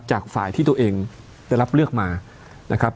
จากฝ่ายที่ตัวเองได้รับเลือกมานะครับ